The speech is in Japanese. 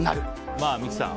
まあ、三木さん。